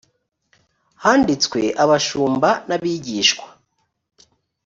handitswe abashumba n ‘abigishwa .